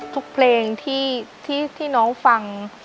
ทุกเพลงที่น้องฟัง